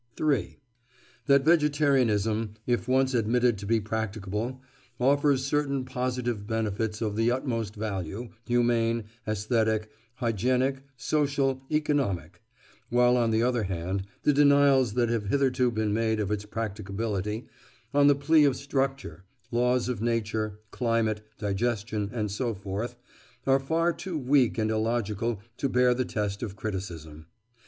3. That vegetarianism, if once admitted to be practicable, offers certain positive benefits of the utmost value, humane, æsthetic, hygienic, social, economic; while, on the other hand, the denials that have hitherto been made of its practicability, on the plea of structure, laws of nature, climate, digestion, and so forth, are far too weak and illogical to bear the test of criticism.